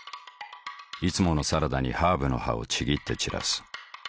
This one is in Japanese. いつものサラダにハーブの葉をちぎって散らす。